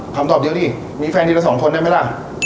คำตอบเดียวดิมีแฟนทีละสองคนได้ไหมล่ะ